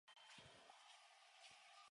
Kampong Ayer is situated on the Brunei River.